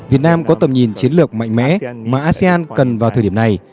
việt nam có tầm nhìn chiến lược mạnh mẽ mà asean cần vào thời điểm này